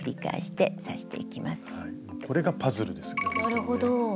なるほど。